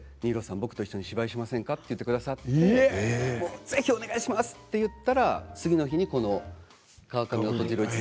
僕と一緒に芝居しませんかと言ってくださってぜひお願いしますと言ったら次の日に「川上音二郎一座」。